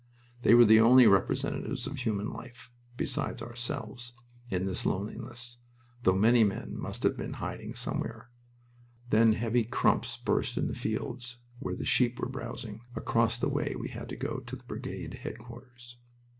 They were the only representatives of human life besides ourselves in this loneliness, though many men must have been in hiding somewhere. Then heavy "crumps" burst in the fields where the sheep were browsing, across the way we had to go to the brigade headquarters.